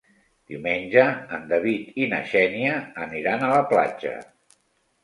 Diumenge en David i na Xènia aniran a la platja.